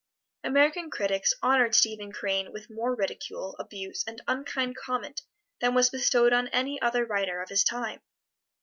American critics honored Stephen Crane with more ridicule, abuse and unkind comment than was bestowed on any other writer of his time.